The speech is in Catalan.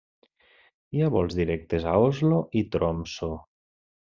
Hi ha vols directes a Oslo i Tromsø.